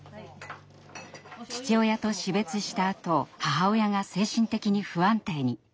父親と死別したあと母親が精神的に不安定に。